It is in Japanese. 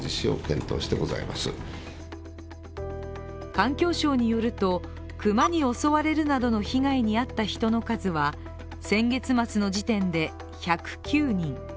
環境省によると熊に襲われるなどの被害に遭った人の数は先月末の時点で１０９人。